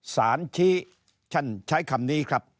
สารชี้ท่านใช้คำนี้ครับ